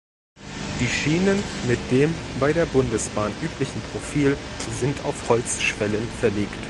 Die Schienen mit dem bei der Bundesbahn üblichen Profil sind auf Holzschwellen verlegt.